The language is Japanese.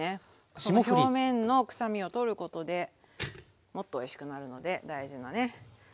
表面の臭みをとることでもっとおいしくなるので大事なね